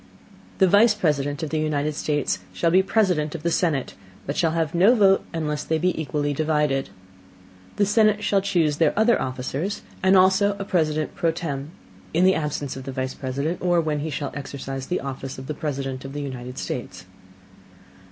The Vice President of the United States shall be President of the Senate, but shall have no Vote, unless they be equally divided. The Senate shall choose their other Officers, and also a President pro tempore, in the Absence of the Vice President, or when he shall exercise the Office of President of the United States.